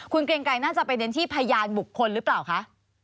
คุณเกรงไกรน่าจะไปเน้นที่พยานบุคคลหรือเปล่าคะ